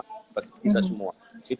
seperti bisa semua